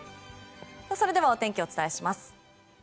それではお天気をお伝えします。